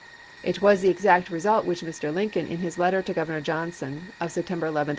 It was the exact result which Mr. Lincoln in his letter to Governor Johnson, of September 11, 1863, had ms.